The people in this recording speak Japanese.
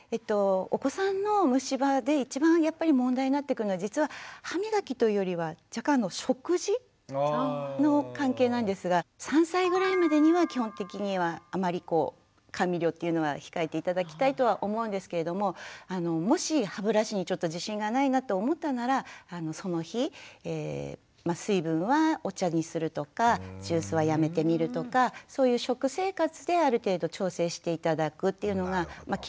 お子さんの虫歯で一番やっぱり問題になってくるのは実は歯みがきというよりは食事の関係なんですが３歳ぐらいまでには基本的にはあまりこう甘味料というのは控えて頂きたいとは思うんですけれどももし歯ブラシにちょっと自信がないなと思ったならその日水分はお茶にするとかジュースはやめてみるとかそういう食生活である程度調整して頂くっていうのが基本にはなります。